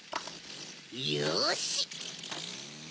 よし！